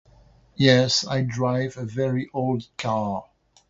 Yes, I drive a very old car.